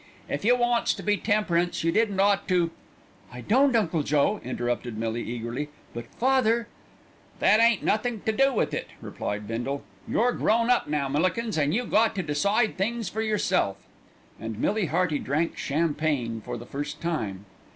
"If you wants to be temperance you didn't ought to " "I don't, Uncle Joe," interrupted Millie eagerly; "but father " "That ain't nothink to do with it," replied Bindle. "You're grown up now, Millikins, an' you got to decide things for yourself." And Millie Hearty drank champagne for the first time.